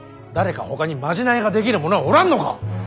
誰かほかにまじないができる者はおらんのか。